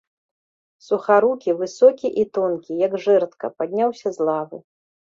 Сухарукі, высокі і тонкі, як жэрдка, падняўся з лавы.